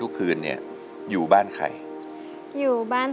ทั้งในเรื่องของการทำงานเคยทำนานแล้วเกิดปัญหาน้อย